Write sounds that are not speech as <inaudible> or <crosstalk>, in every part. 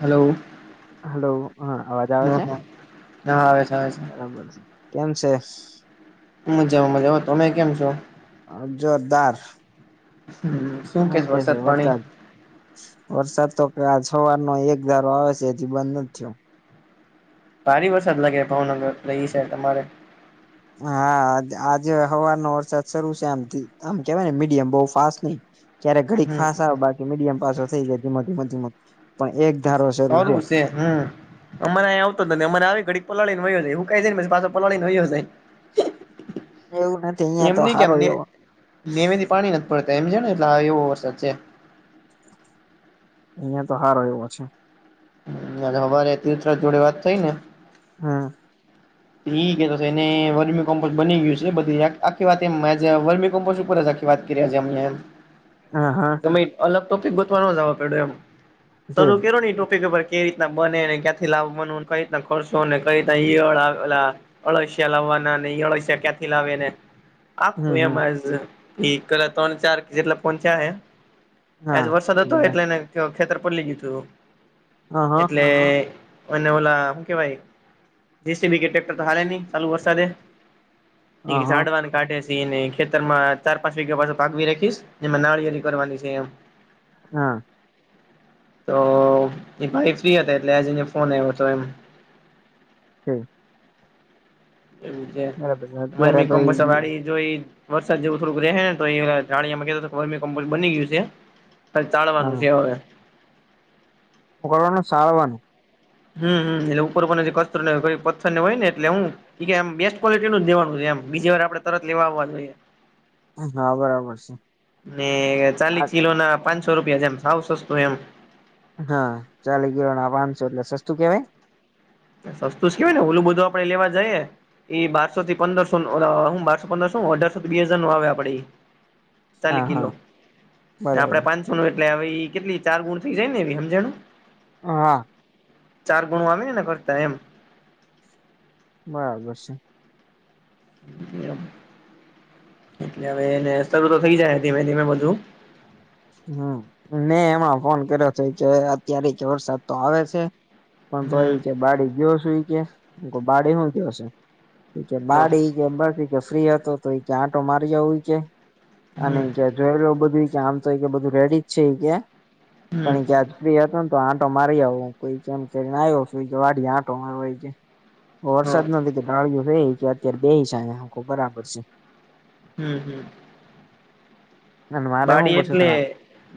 Hello! Hello હા અવાજ આવે હા છે. હા હા આવે છે આવે છે બરાબર કેમ છે? મજામાં મજા તમે કેમ છો? જોરદાર. હમ શું હું કેશ કે છે વરસાદ પાણી- વરસાદ તો આ સવારનો એક ધારો આવે છે એથી બંધ નથી થયો. ભારી વરસાદ લાગે ભાવનગર એ સાઇટ તમારે. હા આજે હવાનો વરસાદ શરૂુ છે આમ આમ કેવાય ને મીડિયમ બહ ફાસ્ટ નઈ. ક્યારે ઘડી હમ ફાસ આવે બાકી મીડિયમ પાસો થઈ જાય ધીમ ધીમ ધીમ પણ એક ધારો શરૂ છે. તે હમ. અમારે અહીયા આવતો જ નથી અમારે આવી ઘડીક પલાળને છે હવ કઈ જ ને પા પલાળનેયો જ- એવું નથી અહિયાં તો એમને સારો કેમને- એવો નેમેથી પાણી નથી પડતા એમ છે ને એટલે આ એવો વરસાદ છે. અહિયાં તો હાર એવો છે. <unintelligible> હમ! એ કેતો છે એને વર્મી કોમ્પો બની ગયું છે બધી આખી વાત એ વર્મી કોમ્પો ઉપર જ- વાત કરીએ- હા હા. અલગ ટોપિક ગોતવાનો જવા પડ્યો એમ તે સર કેો ન ટોપિક ખબર કઈ રીતના બનેને ક્યાંથી લાવભ બનવ કઈ રીના ખર્શોને કઈ રીતના ળ આવે પેલા અળસિયા લાવવાના અળસિયા ક્યાંથી લાવે ને આખું હમ હમ એમજ કરલા ત્રણ ચાર જેટલા પહોંચ્યાજ હા વરસાદ હતો બધા એટલે કે ખેતર પલી ગયું તું હ હ એટલે એને ઓલા હમ કેવાય બી કે ટક્ટર તો હા ન ચાલુ વરસાે હ હ હાડ વા કાઢે છે ને ખેતર માં ચાર પાંચ વાગ્યા પાછ પાગવી રાખીશ જેમાં નાળિયળલી કરવાની છે, એમ હ હા તો એ ભાઈ ફ્રી હતા એટલે આજને ફોન આવ્યો હતો, એમ હમ્મ એવું છે, બરાબર છે અત્યારે મરી તો કમ્પોસર એ વાળ જો એ વરસાદ જેવું થોડુંક રહે, ને તો એામાંમમ્પો બની ગયુ છે. હ ચાળવાનું છે, હવે મકરનું સળવાને હમ એટલે ઉપર કસ્ર હોય પ્ર હોય ને એટલે હુ એમ બેસ્ટ ક્વલિટી નું જ દેનું છે, એમ બીજી વાર આપડેરત લેવા જોઈએ. હા બરાબર છે. ને આ ચાલીસ કિલો ના પાંચસો રૂપિયા જેમ સાવ સસ્તું એમ હા ચાલી કિલો ના પાંચસો એટલે સસ્તું કેવાય સસ્તું કેવાય ને ઓલું બધું આપડે લેવા જઈએ. એ બારસો થી પંદરસો હું બારસો પંદરસો અઢારસો થી બે હજાર નો આવે આપડે ચાલી હા હા કિલો આપડે બરાબર પાંચસોનુ એટલે કેટલી ચાર ગુણ થઇ જાય ને એ સમજણું હા ચાર ગુણું આવેનેને ફરતા એમ બરાબર છે. એટલે હવે એને શ તો થઈ જાય, ધીમે ધીમે બધુ હમ મેં એમાં ફોન કર્યો છે, કે અત્યારે જ વરસાદ તો આવે છે. પણ તો એ હમ કે બાડી ગયો શું એ કે બાડી શું કયોશે કે હા બાડી કે બસ કે ફ્રી હતો, તો એ કે આંટો મારી જવ એ કે અને હમ કે જોું બધું કે આમ તો એ કે બધું રેડી જ છે, એ કે હમ પણ ક્યા હતો ને તો આંટો મારી આવ કોઈમ, કરીને આવ્યો વાઢ આંટો માર હા વરસાદ ન કે ડ્રાળિઓ છે, કે અત્યારે બે હસા આંખો બરાબર છે. હમ્મ અને મારે હું બાડી પૂછું એટલે તા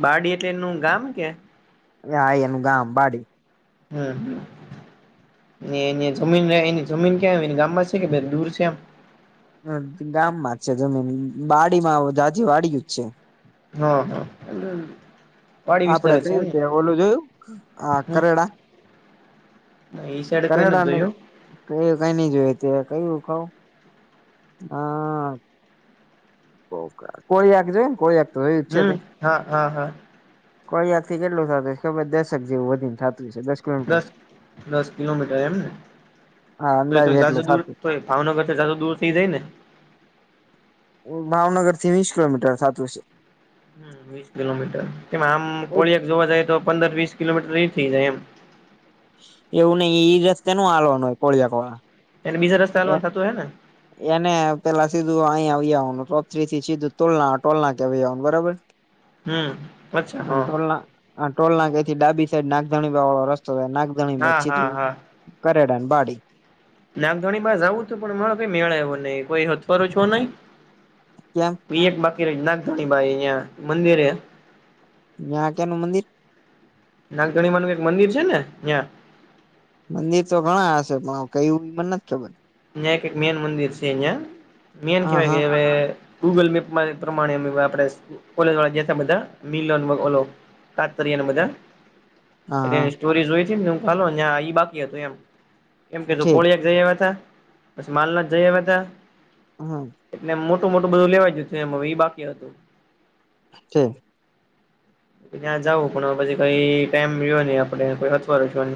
બાડી એટલે એનું ગામ કે હાાઈ એનું ગામ પાાડી હમ્મ ને એની જમીન એની જમીન કે એની ગામમાં છે કે દૂર છે, એમ ગામમાં જ છે જમીન બાડીમાં જાાજીી, વાડીયુ જ છે. હા હા વાડી વિસ્તાર આપડે કય છે એમને રીતે ઓલું જોયું આ કરેડા એઈ સાઈડે કઈ નથી જોયુ. કય કઈ નઈ જોય તે કયું ખઉ હા કોઈખ જો કોળખ તો જો ચ્છ. હમ હા હા હા કોઈ યાદ થી કેટલું થતું છે, ખબર દર્શક જેવું વધીને થતું છે દક દસ દસ કિલોમીટર એમને હા તો એ તો અંદાજે એટલું ગાજુ દૂર થાતું તોય ભાવનગર જા દૂર થઇ જાય ને ભાવનગર થી વીસ કિલોમીટર થતુ છે. વીસ કિલોમીટર કે આમ કોળિયાક જોવા જાય, તો પંદર વીસ કિલોમીટર થઇ જાય એમ એવું નહ એઈ રસ્તે નું હલવાનું હોય, કોળિયા કોળ એને બીજા રસ્ હલવાન થતુ, હ ને એને પેલા સીધું અહીયા આવવાનુ, ટોપ થ્રી થી સીધું ટલ ટોલના કે આવવાનું બરાબર હમ અચ્છા હા ટોલ ના ટોલ ના કથી ડાબી સાઈડ નાગધણી વાળો રસ્તો થના ગણી હા બ્છી હા હા તુકરેડા બાડી નાગધોણી બાસ જાવું હતું પણ મા કઈ મેળવો નહી કોઈ હથવારો છો નહીં. કેમ. એ એક બાકી રે નાનકળી બાઈ અહિયાયા મંદિરે. યા ક્યાનું મંદિર. નાગદણીમાં ન એક મંદિર છે ને ત્યાં. મંદિર તો ઘણા હશે પણ કયું મને નથી ખબર. જે કે મેન મુંદિર છે અહિયા મેન હા હા કેવાય કવે. ગૂગલ મેપ પ્રમાણે આપણે <inaudible> બા મિલો ઓ તા તરીયા ને બઘાય. હા એ હા એની સ્ટોરી જોઈને હ ખા બાકી હતું એમ કેમ કેું છે કોળિયાક જઈ આવ્યા ત બસ માલના જઈએ મે ત હમ. એટલે મોટું મોટું બધું લેવાય ગય હતું એ હવે બાકી હતું. હ <inaudible> ત્યાં જવું પણ પછી કઈ ટાઈમ જો્યો નઈ આપડે કોઈ અથવાો જો.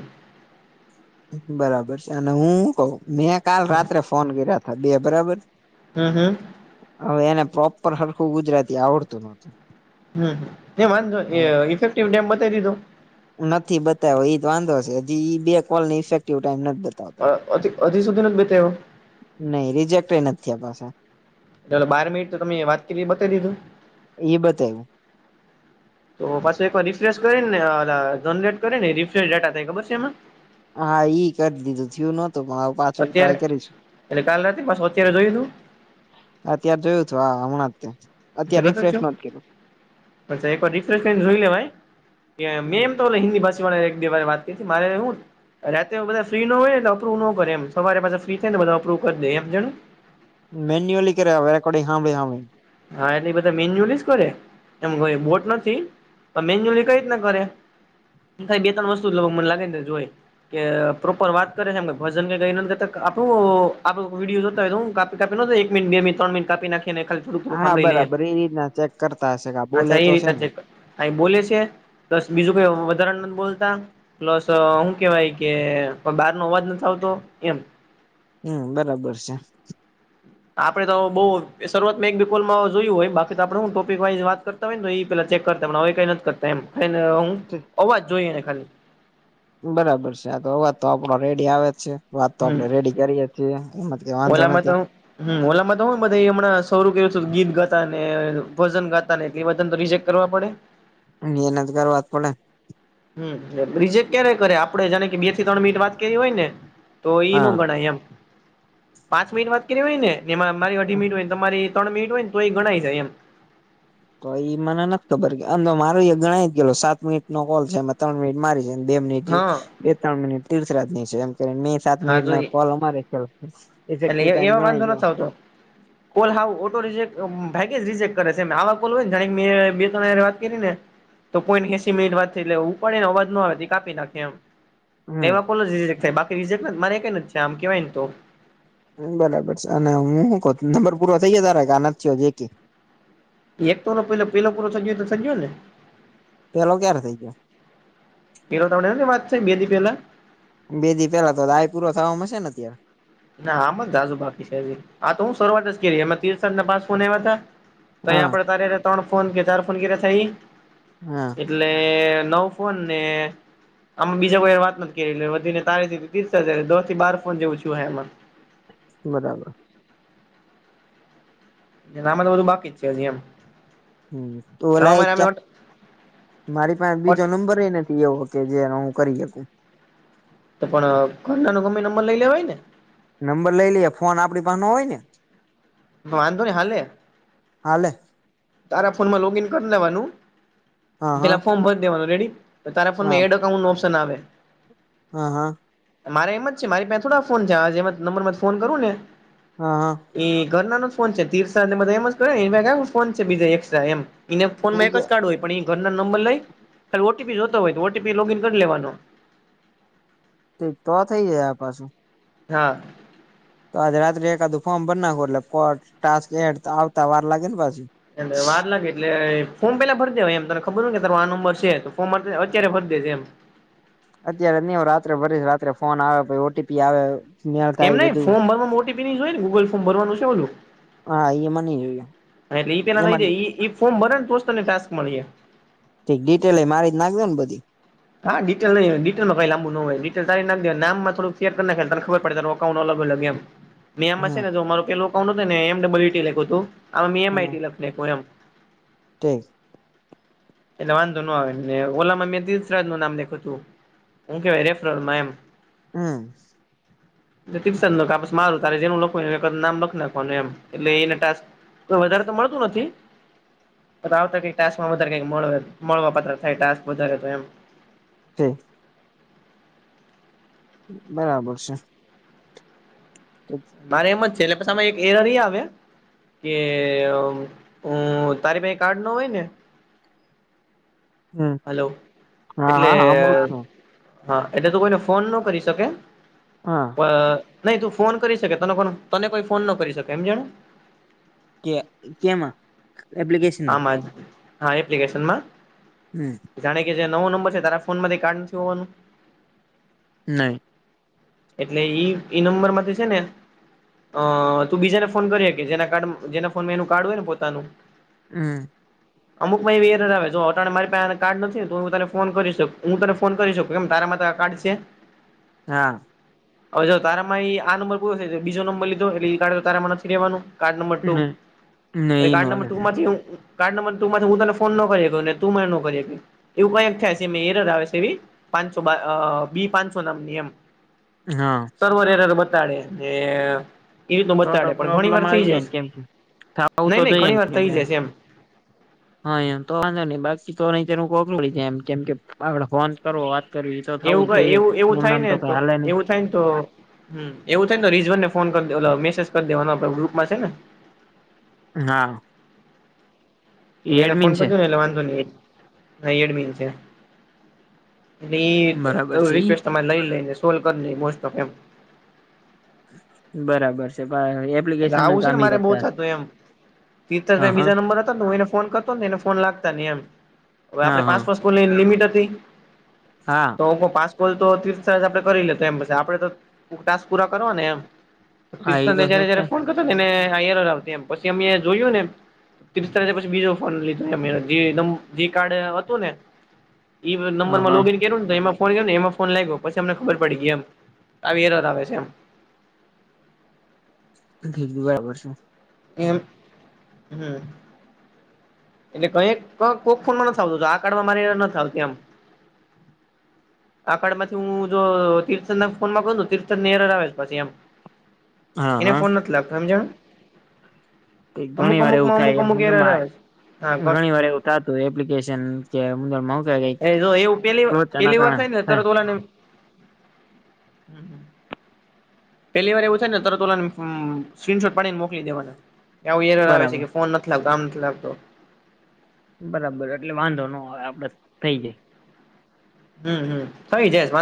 બરાબર છે અને હું કઉ મેં કાલ રાત્રે ફોન કર્યા તા બે બરાબર. હમ હમ. હવે એને પ્રોપર હરખું ગુજરાતી આવડતું નહોતું. હમ એ વાંધો નઇ ઇફેક્ટિવ ડેમ બતાવી દીધો. નથી બતાવ્યો એ જ વાંધો છે હજી બે કોલ ની ઇફેક્ટિવ ટાઈઇમ નથી બતા. અ અધી સુધી નથી બેતાવયા. નઈ રિજેક્ટ નથી પાછા. દર બાર મિટ તો તમે વાત કરી બતાવી દીધું. એ બતાયુ. તો પાછું એક વાર રિફ્રેશ કરીને જરેટ કરીે ને રિફેશ ડેટા થાય ખબર છે એમાં. હા ઈ કરી દીધું થિયું નતું પણ આવ. અત્યારે એટલે કાલ રાતે બસ અત્યારે જોઈ દું. અત્યારે જોયું હતું હા હમણાં્યા અત્યારે રિફેશ કરું અચ્છા એક વાર રિફેશ કરી ને જોઈ લેવાય કે મેમ કર્યું તો હિન્દી ભાષ. જોડે એક દિ વાર વાત કરી મારે હું. રાતે બધા ફ્રી નો હોય ને અપ્રવ નો કરે એમ સવારે પાસે ફ્રી થાય ને બધ અપ્રવ કરી દે એમ જણ. મેન્યઅલી કર વેકો હાભી હાભી. હા એટલે એ બધા મેન્યુઅલ જ કરે. એમઈ બોટ નથી પણ મેન્યુઅલી કઈ રીતના કરે. બે તણ વસ્તુ લઉ મને લાગે ને જોએ. કે પ્રોપર વાત કરે છેમ કે ભજન કે ગઈતા આપણું આપડો વિડીયો તો કાપી કાપી એકિ બે મિત્ર મિ કપી નાખીને ખા હા બરાબર એ રીતના ચેક કરતા હશે કે બોલે તો છે ને. કાય બોલે છે બસ બીજું કઈ વધારા નથી બોલતા. પ્લસ હું કેવાય કે બાર નો અવાજ નથી આવતો એમ. હમ બરાબર છે. આપડે તો બઉ શરૂઆતમાં એક બિપોલમાં જોયું હોય બાકી તો આપડું હું ટોપિક વાઈ વાત કર. નવીન ભાઈ ઇ પેલા ચેક કરતા હમણાં નથી કરતા એમ <inaudible> હું અવાજ જોઈ એને ખાલી. બરાબર છે આ તો અવાજ તો આપડો રેડી આવે જ છે. વાત તો હમ આપડે રેડી કરીએ છીએ એમ કઈ વાંધો ઓલામાં તો નથી. હમ ઓલામાં તો હય બધા હમણાં સું કરું ગીત ગાતા ને ભજન ગાતા. એ તો રિજેક કરવા પડે. એના જગર વાત પડે. હમ રીજેક્ટ ક્યારે કરે? આપડે જાને કે બે થી ત્રણ મિનિટ વાત કેવી હોય ને? તો એઈ ન હા ગણાય એમ. પાંચ મિનિટ વાત કરી હોય ને. એમાં મા અઢી મીટ હોય ને, તમારી ત્રણ મિટ હોય ને તો એ ગણાય જાય એમ. તો ઈ મને નથી ખબર કે અમ મારું એ ગણાય જ ગે સાત મિનિટ નો કોલ છેમાં ત્રણ મિનિટ મારી છે. બે મિનિટ હા બે ત્રણ મિનિટ તીર્થરાત ની છે એમ મે. સાત હા મિનિટ ના જોઈ પોલ અમારે છે. એટલે ઇફેક્ટિવ ટાઈમ એવ ગણાય વાંધો ગયો નથી આવતો. કોલ હ ઓટો રજેક ભાઈ કે રજેક્ટ કરે છે. આવા કોલ હોયને મે બે ત વાત કરીને તો પોઈન્ટ એસી મિનિટ વાત થ એટલેવું પડેને અવાજો આવે, કાપી નાખે એમ. હમ એમાં કો જ રીેક્ટ થાય બાકી રઝેક્ટ મારે કઈ છે આમ કેવાય ને તો. બરાબર છે. અને હું ક નંબર પૂરો થઈ જ તાર કે આ નથીયો જે કે. એક તો ન પે પેલો પૂરો થજયો તો થજયો ને? પેલો ક્યારે થઈ ગયો? એરો ત ની વાત થ બેદી પેલા. બેદી પેલા તો, દાય પૂરો થવા મળશે ને અત્યારે. ના આમ જ દાજુ ભકીી છે. તો હું શરૂઆત જ કરી. એ તીર પાસ ફોન આવ્યા હતા. તો હા અહીંયા આપડે ત ત્રણ ફોન કે ચાર ફોન ક્યારે થઈ. હા! એટલે નવ ફોન ને. આમે બીજા કોઈ વાત નથી કરી. લ વધીને તારી થી ત્રીસ હજાર દ થી બાર ફોન જેવું છુંમાં. બરાબર. નામાં તો બધું બાકી જ છે. હજી એમ. હમ તો આમાં ઓલા એ મારે ચા અમે મારી પાસે બીજો નંબર હો ને. એવ કે જે એનો હું કરી શકું. તો પણ ઘરના નો ગમે નંબર લઈ લેવા હોય ને? નંબર લઈ લઈએ. ફોન આપડી પાસે નનો હોય ને? વાંધો નહી હલે. હલે. તારા ફોનમાં લોગઈન કરી લેવાનું. હા હા પેલા ફોર્મ ભરી દેવાનું રેડી. તો તારા હા ફોનમાં એડ અકાઉન્ટ નો ઓપ્શન આવે. હા હા! મારે એમ જ છે. મારી પા થોડા ફોન છે. આજમ નંબર માં ફોન કરું ને? હા હા! એ ઘરના ન જ ફોન છે. તીર્થને બધા એમ જ કર ફોન છે. બીજા એક્રા એમ. એને ફોનમાં એક જ કાર્ડ હોય. પણ એ ઘરના નંબર લઈ. ખાલી ઓટીપી જોતો હોય તો ઓટીપી લોગઈન કરી લેવાનો. તે તો થઈ જાય આ પાછું. હા! તો આજે રાત્રે એકાદું ફોર્મ ભર નાખો. એટલે ટાસ્ક એડ આવતા વાર લાગે ને પાછી. એ વાત લાગે. એટલે ફોમ પેલા ભર દે હોય. એમ તને ખબર કે તારો આ નંબર છે. તો ફોર્ર અત્યારે ભરી દે છે એમ. અત્યારે નહી, રાત્રે ભરીશ. રાત્રે ફોન આવે, પછી ઓટીપી આવે. મેળ એમ થાય નઈ બધું ફોર્ ભરવાનું. ઓટીપી જોય ગૂગ ફોર્ ભરનું છે બોું. હા અ એમાં નઈ જોયએ. એટલે એ પેલા લઈ જે એ ફોર્મ ભરે ને તોો તને ટાસ્ક મળી જે. ઠ ડિટેલ મારી જ નાખજે નેધી. હા ડિટેલ નઈ ડિલમાં કઈંુો હોય ડટે તારી નાખ દ નામમાં થોું શેર કર ના તને ખબ પડે તો અકાઉન્ટ અલગ અલ એમ મ આમમાં છે હમ ને? મારોુંેું અકાઉન્ટ હતું. ને એમબલુટીું હમ હતુંમઈખ. અનેપુરમ. ઠીક. એટલે વાંધો ન આવે ને ઓલામાં મેથી નામુંું કેવા એમ હમ <inaudible> ને કીશન નક આપસ મારું તારે જેનું લખવું હોય એ કર નામ લખ નાખવાનું એમ એટલે એને ટાસ્ક કોઈ વધારે તો મળતું નથી. તો આવતા કઈક ટાસ્કમાં વધારે કઈક મળ એમ મળવા પાત્ર થાય ટાસ્ક વધારે તો એમ. તો બરાબર છે. તો મારે એમ જ છે એટલે પછ આમાં એક એરર ઈ આવે કે અ હું તારી પાહે કાર્ડ ન હોય ને હમ હલો હા એટલે હા સાંભળું જ છું હા એટલે તો કોઈને ફોન ન કરી શકે. હા. પ નહી તું ફોન કરી શકે તન કોન તને કોઈ ફોન ન કરી શકે એમ સમજાણું. કે કેમાં એપ્લિકેશ આમાંજ હા એપ્લિકેશનમાં. હમ. જાણે કે જે નવો નંબર છે તારા ફોન માંથી કાર્ડ નથી હોવાનું નહી. એટલે ઈ ઈ નંબર માંથી છે ને અ તું બીજાને ફોન કરી હકે જેના કાડ જેના ફોનમાં એનું કાર્ડ હોય ને પોતાનું હમ. અમુકમાં એવી એરર આવે જો અટાણે મારી પાહે આને કાર્ડ નથી તો હું તને ફોન કરી શક હું તને ફોન કરી શકું કેમ તારા માટે આ કાર્ડ છેે. હા. હવે જો તારામાં એ આ નંબર પૂરો થઇજે બીજો નંબર લીધો એટલે ઈ કાર્ડ તારામાં નથી રેવાનું. કાર્ડ નંબર ટુ હમ એ નહી કાર્ડ નંબર નોલે ટુ માંથી હું કાર્ડ નંબર તું માથી હું તને ફોન નો કરી હકુ ને તું મને નો કરી હકી. એવું કયાક થાય છે એમે એરર આવે છે એવી પાંચસો બા અ બી પાંચસો નામની એમ. હા. સર્વર એરર બતાડે જે એવી તો બતાડે પણ ઘણી વાર પ્રોબ્લેમ થઈ આવી જાય જસ ને કેમ કે થાવું તો નહી નહી જોઈએ ઘણી ને વાર થઇ કેમ કે જસ એમ. <inaudible> હા એમ તો વાંધો નહી બાકી તો નહી તેનું કોકડુ વળી જાય એમ કેમ કે આપડ ફોન કરવો વાત કર્યું એ તો થાવું જ જોઈએ એમ નામ તો કઈ હાલે નહી. થાઈને તો હમ એવું થાય ને તો રીજવાન ને ફોન કર દેવ ઓલો મેસેજ કરી દેવાનો આપડા ગ્રુપમાં છે ને. હા. એટલે એ એને એડમિન ફોન છે કરજો ને એટલે વાંધો નહી એ ભાઈ એડમીન છે. એટ બરાબર એ છે ઈ રિક્વેસ્ટ તમારે લઈ લઈને સોલ્વ કરી દે મોસ્ટ ઓફ એમ. બરાબર છે ભા એપ એટલે આવું છે ને મારે બહુ થતું એમ. તીર્થ રે હા હા બીજા નંબર હતા ને હું એને ફોન કરતો ને એને ફોન લાગતા નઈ એમ હવે આપડે હા હા પાસપાસ પુલેન લિમિટ હતી. હા. તો ઓકો પાસકોલ તો ત્રીથ આપડે કરી લેતો એમ પસ આપડે તો ટાસ્ક પૂરા કરવા ને એમ. હા એ તો તીર્થને છે જ જયારે તે જયારે ફોન કરતો નેને આ એરર આવતી એમ પછી અમે જોયું ને તીર્થ એ પછી બીજો ફોન લીધો <unintelligible> જે નંબ જે કાર્ડ હતું ને ઇવ નંબર હા માં હા લોગિન કેરો ન તો એમાં ફોન કર ને એમાં ફોન લાગ ગ્યો પછ અમને ખબર પડી ગઈ એમ આવી એરર આવે છે એમ. <unintelligible> એલ્પ હમ. એટલે કઈક ક કોક ફોન માં નથ આવતું જો આ કાર્ડમાં મારી એરર નથ આવતી એમ. આ કાડૅ માંથી હું જો તીર્થ ના ફોન માં કરું તીર્થ ને એરર આવે પછી એમ. હા એને હા ફોન નથી લાગતો સમજણો. કે ઘણી વાર એવું થાય, એ અમુક એરર મ માં આવે છે હા ઘણી વાર. થાતું એપ્લિકેશન કે માઉ. એ જો એવું પેલી પેલી વાર થાય ને, તર તો ઓલાને. હમ, હ. પેલી વાર એવું થાય ને, તરત ઓલાને ઉમ સ્ક્રીનશોટ પાડીને મોકલી દેવાના, આવું એરર આવે છે બરાબર કે ફોન. મતલબ કામ નથી લગતો. બરાબર, એટલે વાંધો ન આવે, આપડે થઈ જાય. હમ હમ થઈ જશે વાંધો.